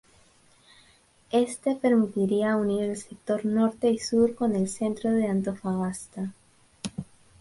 Este permitiría unir el sector norte y sur con el centro de Antofagasta.